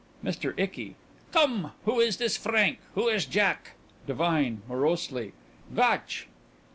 MR. ICKY: Come! Who is this Frank? Who is this Jack? DIVINE: (Morosely) Gotch.